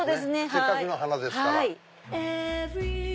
せっかくの花ですから。